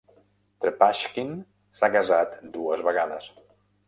Trepashkin s'ha casat dues vegades.